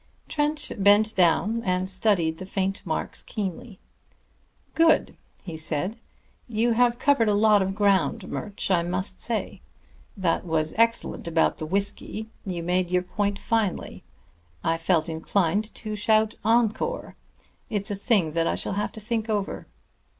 Trent bent down and studied the faint marks keenly. "Good!" he said. "You have covered a lot of ground, Murch, I must say. That was excellent about the whisky you made your point finely. I felt inclined to shout 'Encore!' It's a thing that I shall have to think over."